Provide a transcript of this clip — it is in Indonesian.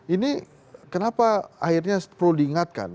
ini kenapa akhirnya perlu diingatkan